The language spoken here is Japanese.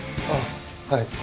ああはい。